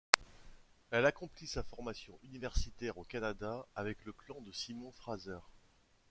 Elle accomplit sa formation universitaire au Canada avec le Clan de Simon Fraser.